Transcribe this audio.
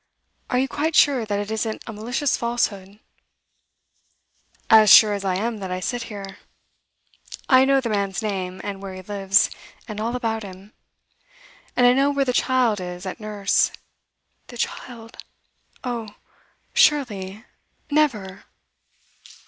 'Are you quite sure that it isn't a malicious falsehood?' 'As sure as I am that I sit here. I know the man's name, and where he lives, and all about him. And I know where the child is at nurse. 'The child? Oh surely never!